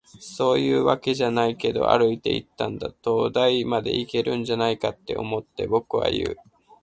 「そういうわけじゃないけど、歩いていたんだ。灯台までいけるんじゃないかって思って。」、僕は言う。